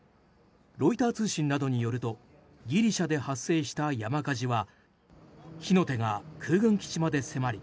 ロイター通信などによるとギリシャで発生した山火事は火の手が空軍基地まで迫り